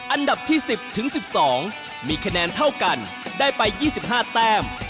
อันดับที่๑๐ถึง๑๒มีคะแนนเท่ากันได้ไป๒๕แต้ม